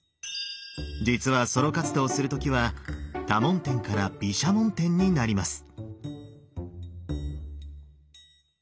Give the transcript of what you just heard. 実はソロ活動する時は多聞天から毘沙門天になります。